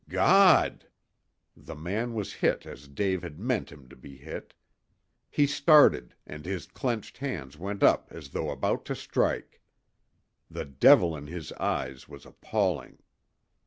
"God!" The man was hit as Dave had meant him to be hit. He started, and his clenched hand went up as though about to strike. The devil in his eyes was appalling.